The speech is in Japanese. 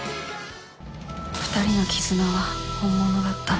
２人の絆は本物だった。